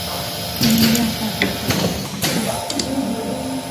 轻量化头盔来戏称之。